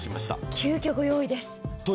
急きょご用意です。